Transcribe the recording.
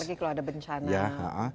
apalagi kalau ada bencana